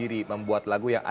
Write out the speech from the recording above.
komen aku jatuh cinta